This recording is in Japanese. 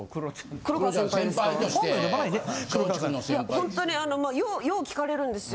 ホントによう聞かれるんですよ。